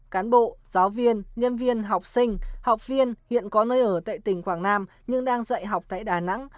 cán bộ giáo viên nhân viên học sinh học viên hiện có nơi ở tại tỉnh quảng nam nhưng đang dạy học tại đà nẵng